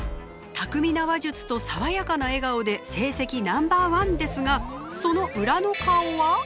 巧みな話術と爽やかな笑顔で成績ナンバーワンですがその裏の顔は？